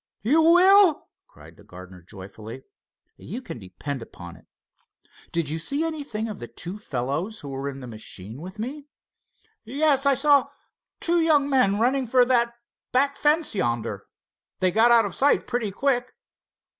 "You will?" cried the gardener, joyfully. "You can depend upon it. Did you see anything of two fellows who were in the machine with me?" "Yes, I saw two young men running for that back fence yonder. They got out of sight pretty quick."